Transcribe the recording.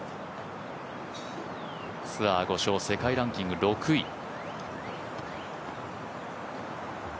ツアー５勝世界ランキング６位。